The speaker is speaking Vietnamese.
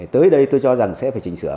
tới đây tôi cho rằng sẽ phải chỉnh sửa